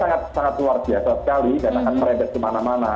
ini dampaknya sangat luar biasa sekali dan akan merebet kemana mana